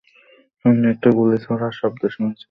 আমি একটা গুলি ছোঁড়ার শব্দ শুনেছি।